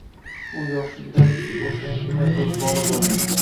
U “yoshligida bo’shangina bir bola” bo’lgan.